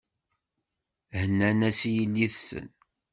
Hennan-as i yelli-tsen.